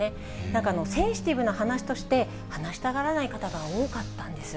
なんかセンシティブな話として話したがらない方が多かったんです。